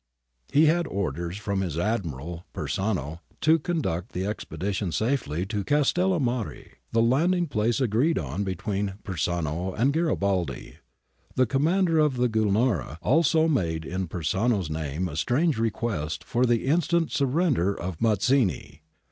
He had orders from his admiral, Persano, to conduct the expedition safely to Castellamare,^ the landing place agreed on between Persano and Garibaldi. The commander of the Gulnara also made in Persano's name a strange request for the instant surrender of Mazzini.